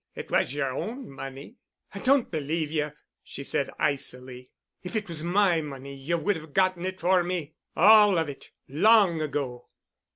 "It was yer own money." "I don't believe you," she said icily, "if it was my money you would have gotten it for me—all of it—long ago."